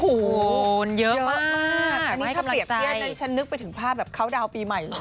ให้กำลังใจอันนี้ถ้าเปรียบเที่ยวฉันนึกไปถึงภาพแบบเขาดาวน์ปีใหม่